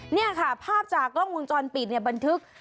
นี่ค่ะภาพจากกล้องมือจรปิดจะบันทึก